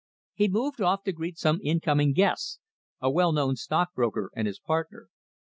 He moved off to greet some incoming guests a well known stockbroker and his partner.